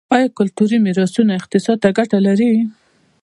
آیا کلتوري میراثونه اقتصاد ته ګټه لري؟